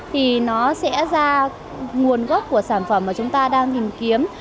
thì nó sẽ ra nguồn gốc của sản phẩm mà chúng ta đang tìm kiếm